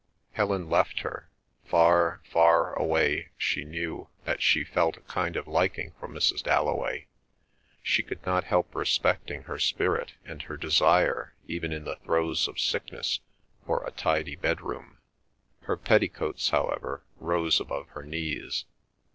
Helen left her; far, far away she knew that she felt a kind of liking for Mrs. Dalloway. She could not help respecting her spirit and her desire, even in the throes of sickness, for a tidy bedroom. Her petticoats, however, rose above her knees.